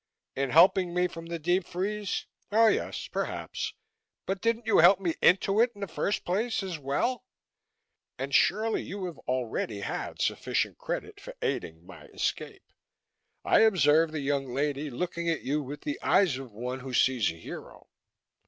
"In helping me from the deep freeze? Oh, yes, perhaps. But didn't you help me into it in the first place, as well? And surely you have already had sufficient credit for aiding my escape I observe the young lady looking at you with the eyes of one who sees a hero."